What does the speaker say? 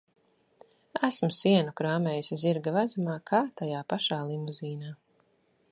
Esmu sienu krāmējusi zirga vezumā kā tajā pašā Limuzīnā.